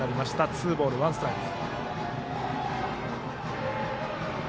ツーボール、ワンストライク。